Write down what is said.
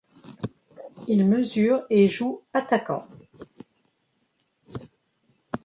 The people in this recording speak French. Il mesure et joue Attaquant.